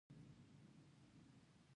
جانداد د محبت په خلقو کې ژوند کوي.